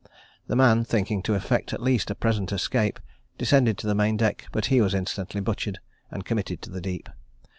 The man, thinking to effect at least a present escape, descended to the main deck; but he was instantly butchered, and committed to the deep.